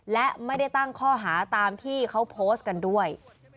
และไม่ได้ตั้งข้อหาตามที่เขาโพสต์กันด้วย